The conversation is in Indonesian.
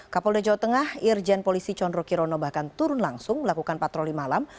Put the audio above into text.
kapol de jawa tengah irjen polisi conro kirono bahkan turun langsung melakukan patroli malam